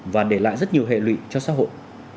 và để lại rất nhiều hệ lụy cho xã hội